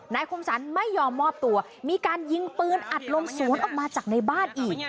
คมสรรไม่ยอมมอบตัวมีการยิงปืนอัดลงสวนออกมาจากในบ้านอีก